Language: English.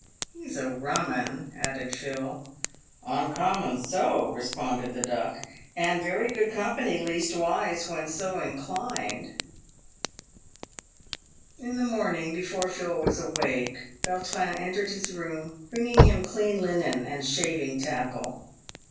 " He's a rum 'un," added Phil. " Uncommon so," responded the Duck, "and very good company, leastways when so inclined." In the morning, before Phil was awake, Vautrin entered his room, bringing him clean linen and shaving tackle.